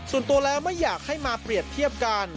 ส่วนตัวแล้วไม่อยากให้มาเปรียบเทียบกัน